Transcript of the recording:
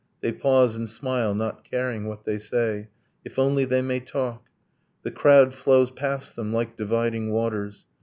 They pause and smile, not caring what they say, If only they may talk. The crowd flows past them like dividing waters.